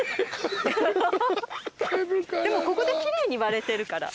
でもここで奇麗に割れてるから。